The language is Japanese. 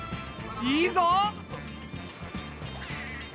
いいぞ！